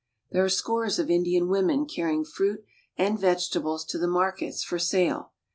There are scores of Indian women carrying fruit and °°^^' vegetables to the markets for sale.